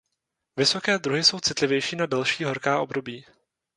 Vysoké druhy jsou citlivější na delší horká období.